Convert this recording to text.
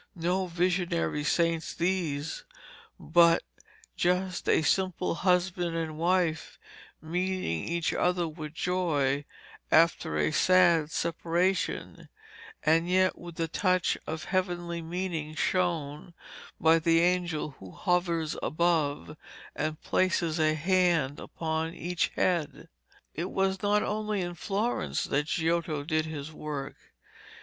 No visionary saints these, but just a simple husband and wife, meeting each other with joy after a sad separation, and yet with the touch of heavenly meaning shown by the angel who hovers above and places a hand upon each head. It was not only in Florence that Giotto did his work.